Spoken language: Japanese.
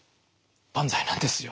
万歳なんですよ。